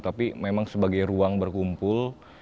tapi memang sebagai ruang berkumpul